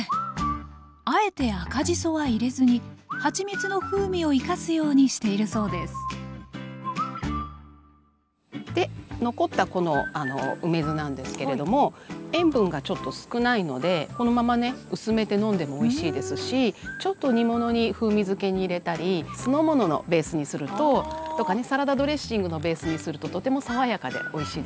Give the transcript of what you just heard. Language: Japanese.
あえて赤じそは入れずにはちみつの風味を生かすようにしているそうですで残ったこの梅酢なんですけれども塩分がちょっと少ないのでこのままね薄めて飲んでもおいしいですしちょっと煮物に風味づけに入れたり酢の物のベースにするととかねサラダドレッシングのベースにするととても爽やかでおいしいですよ。